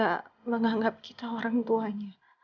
dia seperti gak menganggap kita orang tuanya